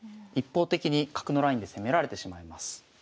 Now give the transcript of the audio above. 一方的に角のラインで攻められてしまいます。